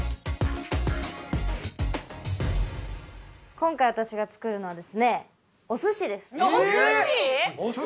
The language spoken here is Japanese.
今回私が作るのはですねお寿司です！